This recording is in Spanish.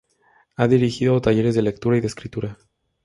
Ha dirigido talleres de lectura y de escritura.